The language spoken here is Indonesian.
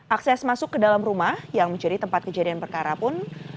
akses masuk ke dalam rumah yang menjadi tempat kejadian perkara pun